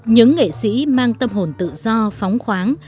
những nghệ sĩ mang tâm hồn tự do phóng khoáng